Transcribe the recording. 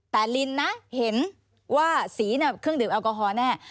แต่ลินนะเห็นว่าสีเนี่ยเครื่องดื่มแอลกอฮอล์แน่